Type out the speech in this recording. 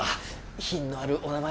品のあるお名前だなあ。